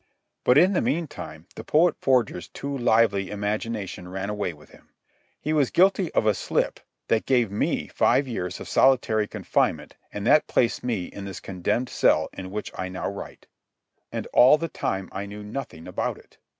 But in the meantime the poet forger's too lively imagination ran away with him. He was guilty of a slip that gave me five years of solitary confinement and that placed me in this condemned cell in which I now write. And all the time I knew nothing about it.